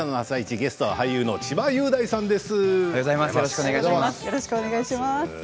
ゲストは俳優の千葉雄大さんです。